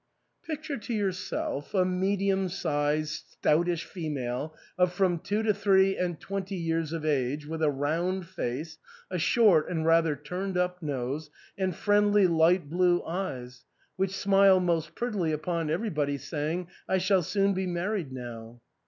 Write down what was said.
Picture to yourself a medium sized stoutish female of from two to three and twenty years of age, with a round face, a short and rather tumed up nose, and friendly light blue eyes, which smile most prettily upon every body, saying, " I shall soon be married now."